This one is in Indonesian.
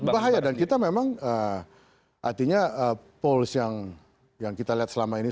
bahaya dan kita memang artinya poles yang kita lihat selama ini